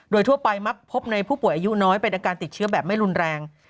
โดยทั่วไปมักพบในผู้ป่วยอายุน้อยเป็นอาการติดเชื้อแบบไม่รุนแรง